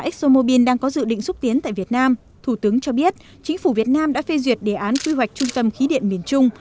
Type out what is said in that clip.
axomobil đang có dự định xúc tiến tại việt nam thủ tướng cho biết chính phủ việt nam đã phê duyệt đề án quy hoạch trung tâm khí điện miền trung